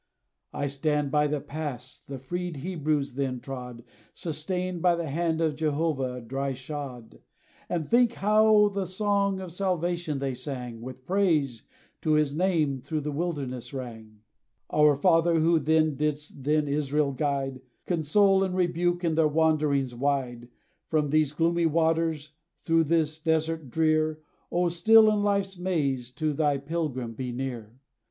I stand by the pass, the freed Hebrews then trod, Sustained by the hand of Jehovah, dry shod; And think how the song of salvation, they sang, With praise to his name, through the wilderness rang. Our Father, who then didst thine Israel guide, Console, and rebuke in their wanderings wide, From these gloomy waters, through this desert drear, O still in life's maze, to thy pilgrim be near!